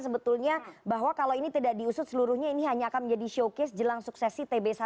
sebetulnya bahwa kalau ini tidak diusut seluruhnya ini hanya akan menjadi showcase jelang suksesi tb satu